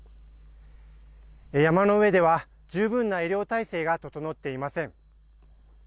山の上では、十分な医療体制が整っていません。